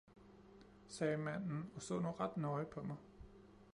' sagde manden og så nu ret nøje på mig.